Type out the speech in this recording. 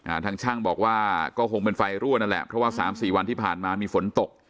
ทางช่างบอกว่าก็คงเป็นไฟรั่วนั่นแหละเพราะว่าสามสี่วันที่ผ่านมามีฝนตก